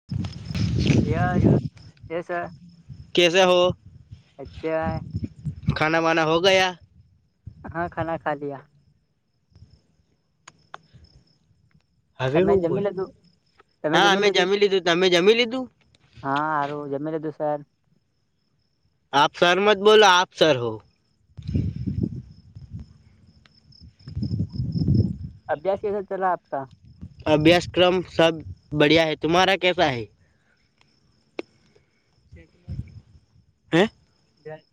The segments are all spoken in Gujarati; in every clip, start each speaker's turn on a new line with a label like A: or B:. A: [inaudible]
B: સ એસ- - [unintelligible]
A: કેસ હો?
B: [unintelligible]
A: ખાના વાના હો ગયા?
B: હા ખાના ખાલીયા.
A: હવે
B: તમે
A: હું બોલ
B: જમી લીધું
A: હા અમે જમી લીધું તમે જમી લીધું?
B: હા આારું જમીલ હતું સર.
A: આપ સરમત બોલો આપ સર હો.
B: અભ્યાસ કસા ચલા આપકા?
A: અભ્યાસક્રમ સબ બઢિયા હૈ તુમ્હારા કસા હૈ? હે?
B: છેદ [unintelligible]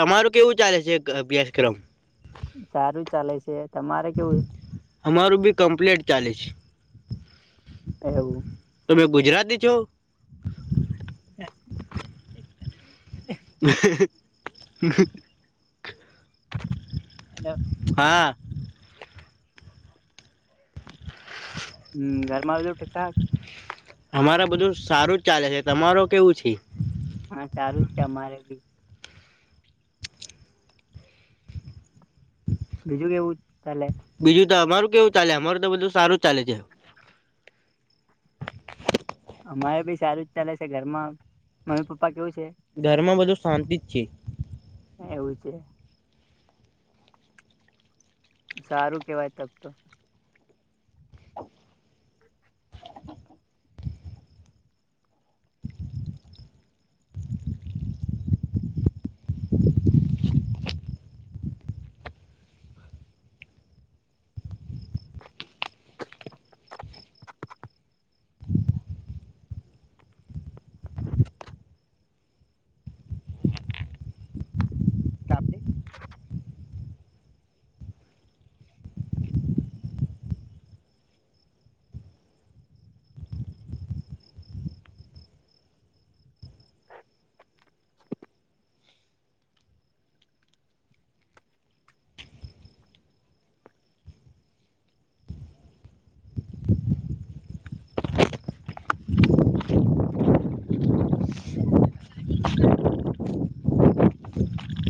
A: તમારું કેવું ચાલે છે અભ્યાસક્રમ?
B: સારું ચાલે છે. તમારે કેવું
A: અમારું બી કમ્પ્લેટ ચાલે છે.
B: એવું.
A: તમે ગુજરાતી છો?
B: હ [inaudible]
A: હ [unintelligible] હા.
B: હમ ઘરમા બધું ઠીકઠાક?
A: અમારા બધું સારું જ ચાલે છે તમારે કેવું છે?
B: હા સારું જ છે અમારે બી બીજું કેવું ચલે
A: બીજું તો અમારું કેવું ચાલે અમારું તો બધું સારું ચાલે છે.
B: અમારે બી સારું જ ચાલે છે ઘરમાં મમ્મી પપ્પા કેવું છે?
A: ઘર માં બધું શાંતિ જ છે.
B: એવું છે. સારું કેવાય તબ તો. [inaudible]